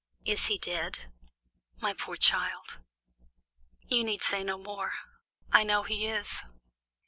"Is he dead?" "My poor child!" "You need say no more. I know he is."